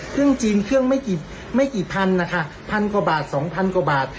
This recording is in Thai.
เครื่องจีนเครื่องไม่กี่พันนะคะพันกว่าบาทสองพันกว่าบาท